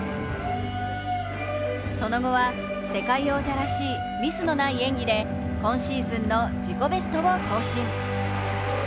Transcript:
その後は世界王者らしいミスのない演技で今シーズンの自己ベストを更新。